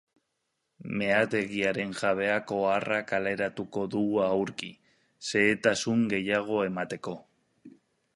Meategiaren jabeak oharra kaleratuko du aurki, xehetasun gehiago emateko.